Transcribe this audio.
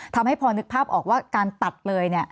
ทำให้พอนึกภาพออกว่าการตัดเลย